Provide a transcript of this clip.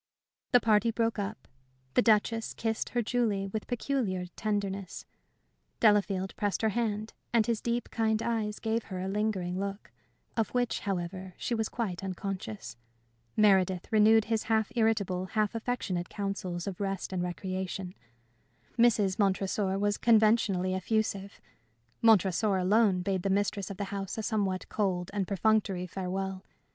The party broke up. The Duchess kissed her Julie with peculiar tenderness; Delafield pressed her hand, and his deep, kind eyes gave her a lingering look, of which, however, she was quite unconscious; Meredith renewed his half irritable, half affectionate counsels of rest and recreation; Mrs. Montresor was conventionally effusive; Montresor alone bade the mistress of the house a somewhat cold and perfunctory farewell.